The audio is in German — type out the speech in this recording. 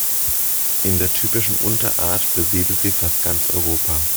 In der typischen Unterart besiedelt sie fast ganz Europa.